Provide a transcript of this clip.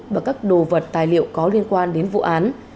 và các đồ vật tài liệu có liên quan đến vụ án